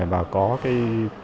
và có cái